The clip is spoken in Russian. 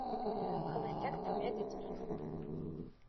Холостяк с двумя детьми.